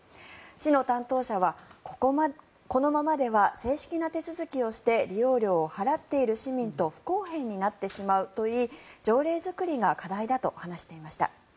市の担当者は、このままでは正式な手続きをして利用料を払っている市民と不公平になってしまうといい条例作りが課題だと話していました。